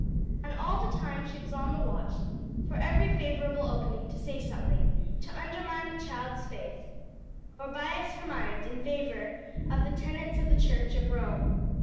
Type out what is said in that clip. And all the time she was on the watch for every favorable opening to say something to undermine the child's faith, or bias her mind in favor of the tenets of the church of Rome.